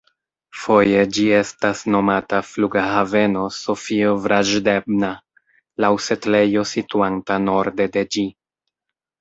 Foje ĝi estas nomata flughaveno Sofio-Vraĵdebna, laŭ setlejo situanta norde de ĝi.